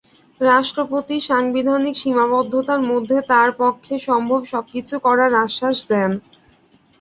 রাষ্ট্রপতি সাংবিধানিক সীমাবদ্ধতার মধ্যে তাঁর পক্ষে সম্ভব সবকিছু করার আশ্বাস দেন।